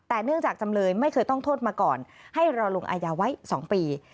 แต่เนื่องจากจำเลยไม่เคยต้องโทษมาก่อนให้รอลงอายาไว้๒ปี